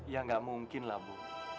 ya gak mungkinlah bu